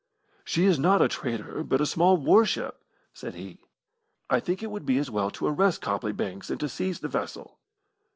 "She is not a trader, but a small warship," said he. "I think it would be as well to arrest Copley Banks and to seize the vessel."